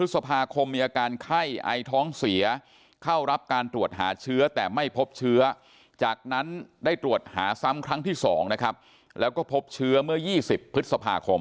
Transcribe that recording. สามครั้งที่๒ด้วยครับแล้วก็พบเชื้อเมื่อ๒๐พฤษภาคม